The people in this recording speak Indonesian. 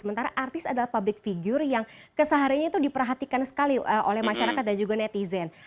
sementara artis adalah public figure yang keseharinya itu diperhatikan sekali oleh masyarakat dan juga netizen